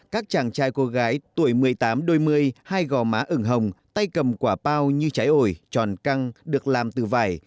các chàng trai cô gái tuổi một mươi tám đôi mươi hai gò má ừng hồng tay cầm quả bao như trái ổi tròn căng được làm từ vải